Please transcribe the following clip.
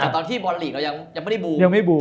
จากที่บอทลีกเรายังไม่เบลล์